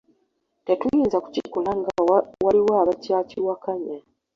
Tetuyinza kukikola nga waliwo abakyakiwakanya.